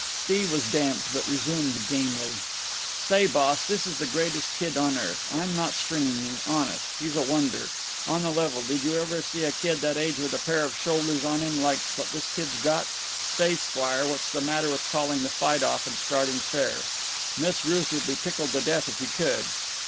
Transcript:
Steve was damped, but resumed gamely: "Say, boss, this is the greatest kid on earth. I'm not stringing you, honest. He's a wonder. On the level, did you ever see a kid that age with a pair of shoulders on him like what this kid's got? Say, squire, what's the matter with calling the fight off and starting fair? Miss Ruth would be tickled to death if you would.